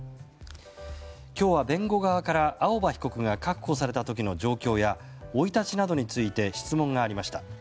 今日は弁護側から青葉被告が確保された時の状況や生い立ちなどについて質問がありました。